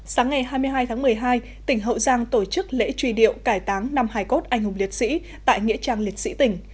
sáng ngày hai mươi hai tháng một mươi hai tỉnh hậu giang tổ chức lễ truy điệu cải táng năm hài cốt anh hùng liệt sĩ tại nghĩa trang liệt sĩ tỉnh